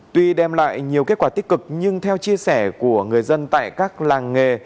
tuy đem lại nhiều kết quả tích cực nhưng theo chia sẻ của người dân tại các làng nghề